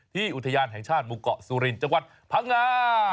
อุทยานแห่งชาติหมู่เกาะสุรินทร์จังหวัดพังงา